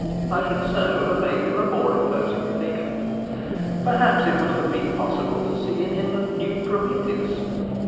I should so have made him a more imposing figure. Perhaps it would have been possible to see in him a new Prometheus.